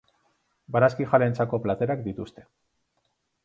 Barazkijaleentzako platerak dituzte.